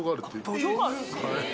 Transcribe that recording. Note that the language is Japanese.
土俵があるんですか？